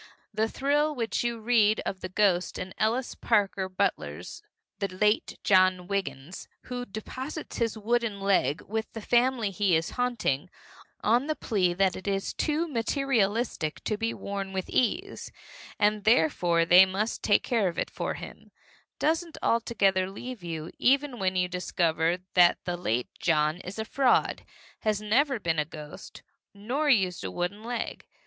The thrill with which you read of the ghost in Ellis Parker Butler's The Late John Wiggins, who deposits his wooden leg with the family he is haunting, on the plea that it is too materialistic to be worn with ease, and therefore they must take care of it for him, doesn't altogether leave you even when you discover that the late John is a fraud, has never been a ghost nor used a wooden leg.